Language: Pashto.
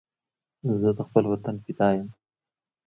زه د خپل وطن فدا یم